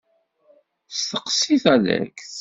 Steqsit Alex.